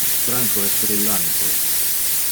Franco es brillante.